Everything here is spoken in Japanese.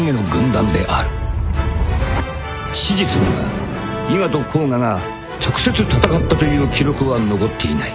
［史実には伊賀と甲賀が直接戦ったという記録は残っていない］